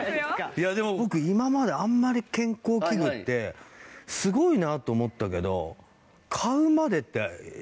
いやでも僕今まであんまり健康器具ってすごいなと思ったけど。